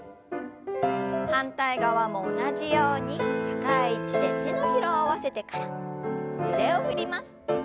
反対側も同じように高い位置で手のひらを合わせてから腕を振ります。